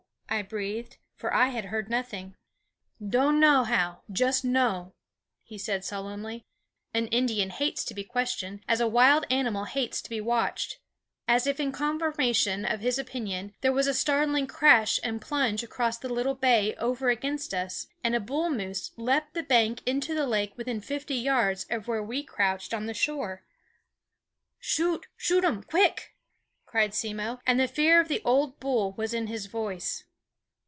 I breathed; for I had heard nothing. "Don' know how; just know," he said sullenly. An Indian hates to be questioned, as a wild animal hates to be watched. As if in confirmation of his opinion, there was a startling crash and plunge across the little bay over against us, and a bull moose leaped the bank into the lake within fifty yards of where we crouched on the shore. "Shoot! shoot um quick!" cried Simmo; and the fear of the old bull was in his voice.